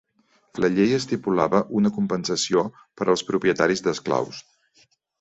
La llei estipulava una compensació per als propietaris d'esclaus.